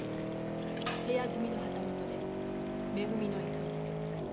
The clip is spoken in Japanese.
部屋住みの旗本で「め組」の居候でございます。